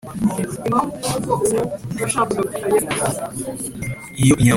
iyo inyambo zabaga zimaze kubyara uburiza,